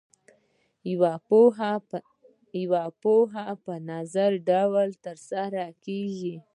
یوه پوهه په نظري ډول ترلاسه کیږي.